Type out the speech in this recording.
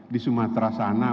di sumatera sana